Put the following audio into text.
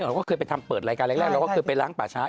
เราก็เคยไปทำเปิดรายการแรกเราก็เคยไปล้างป่าช้า